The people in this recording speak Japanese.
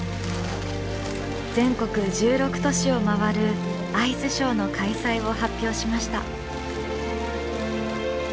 全国１６都市を回るアイスショーの開催を発表しました。